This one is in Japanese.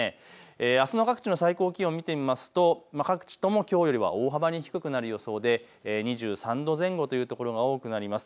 あすの各地の最高気温を見てみると各地ともきょうよりは大幅に低くなる予想で２３度前後という所が多くなります。